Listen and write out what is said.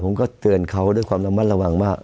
ผมก็เตือนเขาด้วยความระมัดระวังว่า